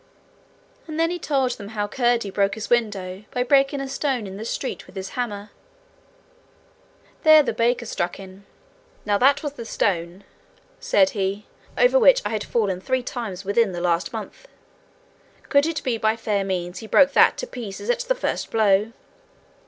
And then he told them how Curdie broke his window by breaking a stone in the street with his hammer. There the baker struck in. 'Now that was the stone,' said he, 'over which I had fallen three times within the last month: could it be by fair means he broke that to pieces at the first blow?